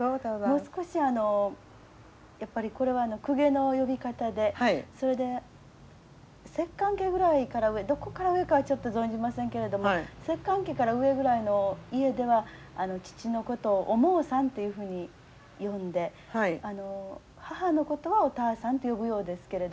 もう少しあのやっぱりこれは公家の呼び方でそれで摂関家ぐらいから上どこから上かはちょっと存じませんけれども摂関家から上ぐらいの家では父のことをおもうさんというふうに呼んで母のことはおたあさんと呼ぶようですけれども。